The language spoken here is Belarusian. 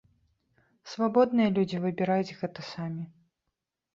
Свабодныя людзі выбіраюць гэта самі.